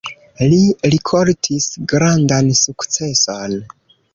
Li rikoltis grandan sukceson.